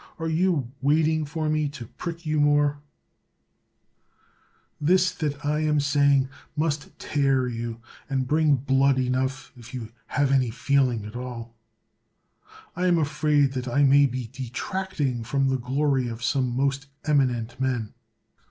Are you waiting for me to prick you more ? This that I am saying must tear you and bring blood enough if you have any feeling at all. I am afraid that I may be detracting from the glory of some most eminent men.